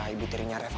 ibu tirinya reva